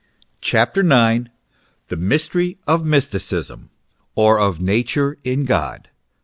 CHAPTER IX. THE MYSTERY OF MYSTICISM OR OF NATURE IN GOD.